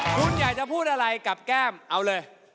คุณอยากจะพูดอะไรกับแก้มเอาเลย